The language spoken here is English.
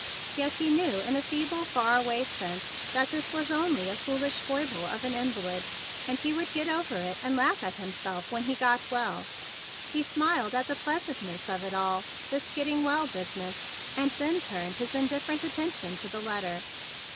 Yet he knew in a feeble far awav sense that this was onlv a w foolish foible of an invalid, and he would get over it and laugh at himself when he got well. He smiled at the pleasantness of it all, this getting well business, and then turned his indifferent attention to the letter.